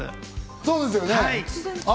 そうですよね。